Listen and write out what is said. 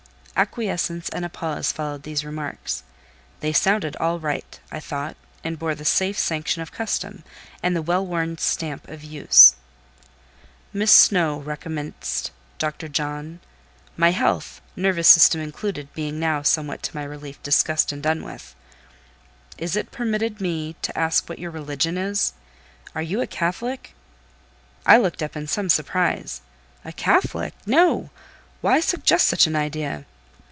Acquiescence and a pause followed these remarks. They sounded all right, I thought, and bore the safe sanction of custom, and the well worn stamp of use. "Miss Snowe," recommenced Dr. John—my health, nervous system included, being now, somewhat to my relief, discussed and done with—"is it permitted me to ask what your religion is? Are you a Catholic?" I looked up in some surprise—"A Catholic? No! Why suggest such an idea?"